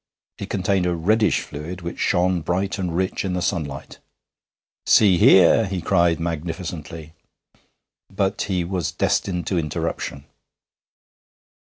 It contained a reddish fluid, which shone bright and rich in the sunlight. 'See here!' he cried magnificently, but he was destined to interruption.